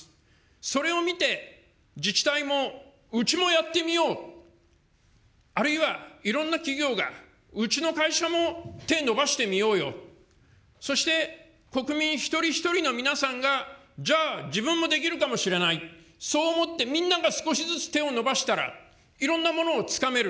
それを見て、自治体もうちもやってみよう、あるいは、いろんな企業が、うちの会社も手伸ばしてみようよ、そして国民一人一人の皆さんが、じゃあ、自分もできるかもしれない、そう思って、みんなが少しずつ手を伸ばしたらいろんなものをつかめる。